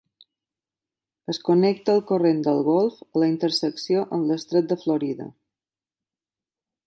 Es connecta al Corrent del Golf a la intersecció amb l'Estret de Florida.